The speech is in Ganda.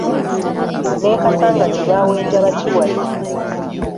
N’e Kasangati baawenja bakiwagi.